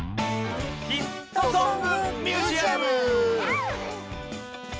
「ヒットソング・ミュージアム」！